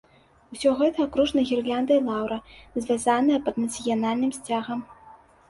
Усё гэта акружана гірляндай лаўра, звязаная пад нацыянальным сцягам.